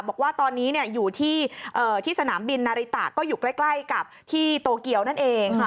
บอกว่าตอนนี้อยู่ที่สนามบินนาริตะก็อยู่ใกล้กับที่โตเกียวนั่นเองค่ะ